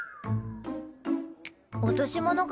落とし物か？